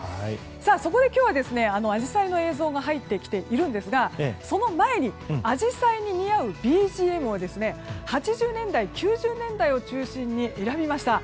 そこで今日は、アジサイの映像が入ってきているんですがその前にアジサイに似合うＢＧＭを８０年代９０年代を中心に選びました。